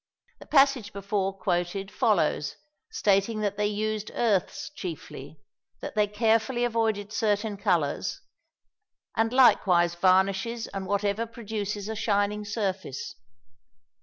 The passage before quoted follows, stating that they used earths chiefly, that they carefully avoided certain colours, "and likewise varnishes and whatever produces a shining surface.